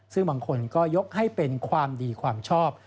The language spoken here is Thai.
ซึ่งบางคนก็ยกให้เป็นความดีความชอบ